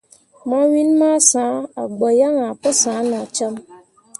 Mawin masǝ̃he a gbǝ yaŋ ahe pǝ sah no cam.